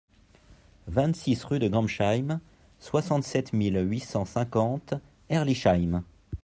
vingt-six rue de Gambsheim, soixante-sept mille huit cent cinquante Herrlisheim